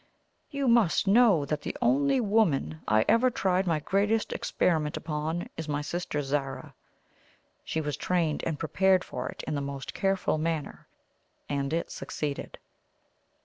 You must know that the only WOMAN I ever tried my greatest experiment upon is my sister Zara. She was trained and prepared for it in the most careful manner; and it succeeded.